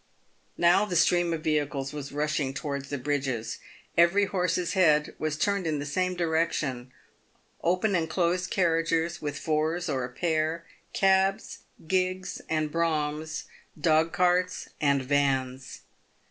Now the stream of vehicles was rushing towards the bridges. Every horse's head was turned in the same direction — open and closed carriages with fours or a pair, cabs, gigs, and broughams, dog carts and vans.